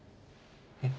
えっ？